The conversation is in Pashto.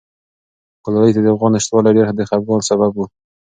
ګلالۍ ته د غوا نشتوالی ډېر د خپګان سبب و.